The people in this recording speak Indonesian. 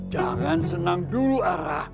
jangan senang dulu ara